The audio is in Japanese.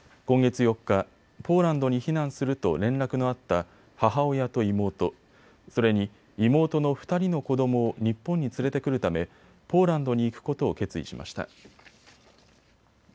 今月４日、ポーランドに避難すると連絡のあった母親と妹、それに妹の２人の子どもを日本に連れてくるためポーランドに行くことを決意しました。